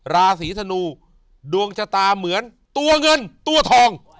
ราศีธนูดวงชะตาเหมือนตัวเงินตัวทอง